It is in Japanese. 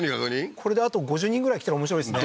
これであと５０人ぐらい来たら面白いですね